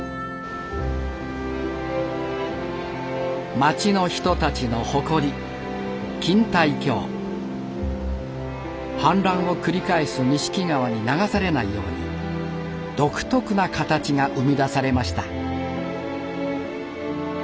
町の人たちの誇り氾濫を繰り返す錦川に流されないように独特な形が生み出されました。